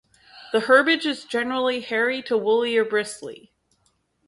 The herbage is generally hairy to woolly or bristly.